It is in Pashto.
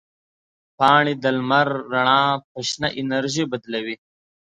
پاڼې د لمر رڼا په شنه انرژي بدلوي.